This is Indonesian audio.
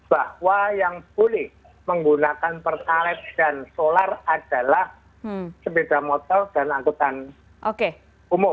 bahwa yang boleh menggunakan pertalet dan solar adalah sepeda motor dan angkutan umum